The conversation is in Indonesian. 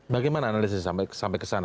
bagaimana analisisnya sampai ke sana